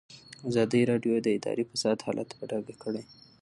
ازادي راډیو د اداري فساد حالت په ډاګه کړی.